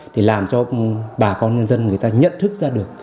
thì làm cho bà con nhân dân người ta nhận thức ra được